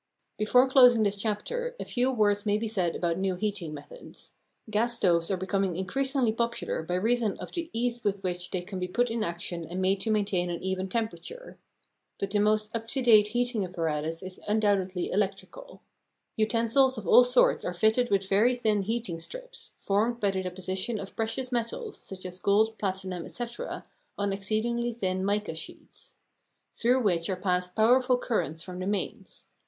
Before closing this chapter a few words may be said about new heating methods. Gas stoves are becoming increasingly popular by reason of the ease with which they can be put in action and made to maintain an even temperature. But the most up to date heating apparatus is undoubtedly electrical. Utensils of all sorts are fitted with very thin heating strips (formed by the deposition of precious metals, such as gold, platinum, &c., on exceedingly thin mica sheets), through which are passed powerful currents from the mains.